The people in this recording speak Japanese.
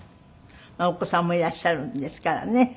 お子さんもいらっしゃるんですからね。